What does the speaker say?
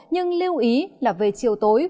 nhưng lưu ý là về chiều tối